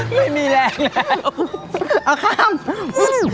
ไม่มีแรงแล้ว